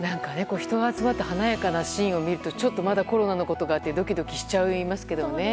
人が集まって華やかなシーンを見るとまだコロナのことがあってドキドキしちゃいますけどね。